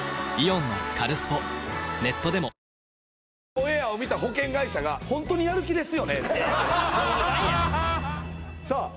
オンエアを見た保険会社が「ホントにやる気ですよね」って冗談やさあ